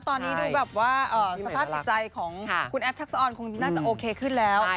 ตอนนี้ดูแบบว่าสภาพจิตใจของคุณแอฟทักษะออนคงน่าจะโอเคขึ้นแล้ว